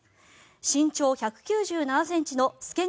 身長１９７ｃｍの介川